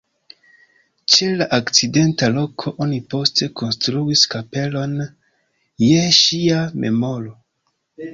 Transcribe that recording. Ĉe la akcidenta loko oni poste konstruis kapelon je ŝia memoro.